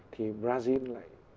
thì brazil lại